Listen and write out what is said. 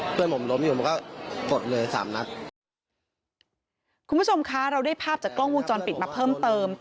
คุณผู้ชมค่ะเราได้ภาพจากกล้องวงจรปิดมาเพิ่มเติม